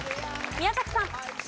宮崎さん。